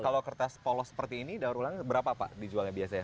kalau kertas polos seperti ini daur ulang berapa pak dijualnya biasanya